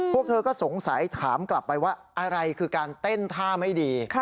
พวกเธอก็สงสัยถามกลับไปว่าอะไรคือการเต้นท่าไม่ดี